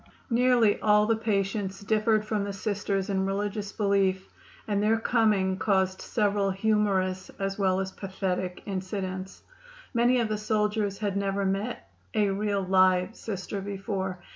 Nearly all the patients differed from the Sisters in religious belief, and their coming caused several humorous as well as pathetic incidents. Many of the soldiers had never met "a real, live" Sister before.